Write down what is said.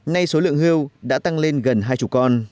ngay số lượng hiêu đã tăng lên gần hai chục con